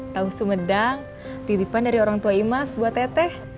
tahu sumedang titipan dari orang tua imas buat teteh